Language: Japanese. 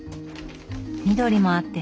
緑もあって。